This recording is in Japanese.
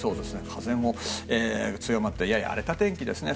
風も強まってやや荒れた天気ですね。